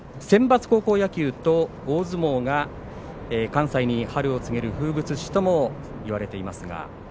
センバツ高校野球と大相撲が関西に春を告げる風物詩ともいわれています。